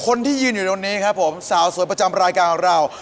คนที่ยืนอยู่ตรงนี้ครับผมสาวสวยประจำรายการของเรา